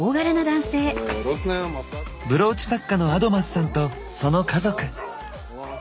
ブローチ作家のアドマスさんとその家族。